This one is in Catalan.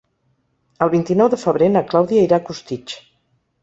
El vint-i-nou de febrer na Clàudia irà a Costitx.